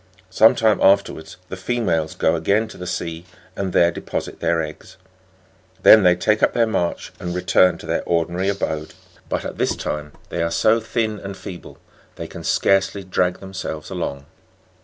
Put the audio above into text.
Sometime afterwards the females go again to the sea and there deposit their eggs ; then they take up their march and return to their ordinary abode; but at this time they are so thin and feeble, they can scarcely drag themselves along.